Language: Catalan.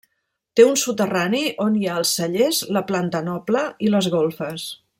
Té un soterrani on hi ha els cellers, la planta noble i les golfes.